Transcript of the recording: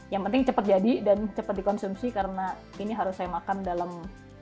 yang penting cepat jadi dan cepat dikonsumsi karena ini harus saya makan dalam